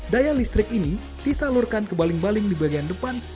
daya listrik ini disalurkan ke baling baling di bagian depan